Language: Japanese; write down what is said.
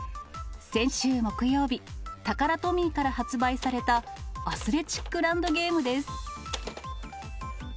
先週木曜日、タカラトミーから発売されたアスレチックランドゲームです。